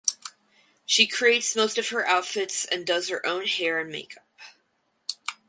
She creates most of her outfits and does her own hair and makeup.